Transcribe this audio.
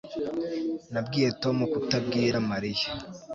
Nabwiye Tom kutabwira Mariya